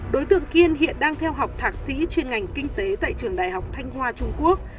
đối tượng kiên hiện đang theo học thạc sĩ chuyên ngành kinh tế tại trường đại học thanh hoa trung quốc